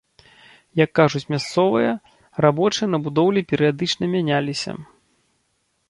Як кажуць мясцовыя, рабочыя на будоўлі перыядычна мяняліся.